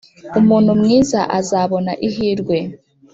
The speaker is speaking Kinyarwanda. Umuntu mwiza azabona ihirwe